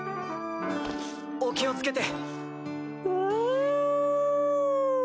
お気を付けて。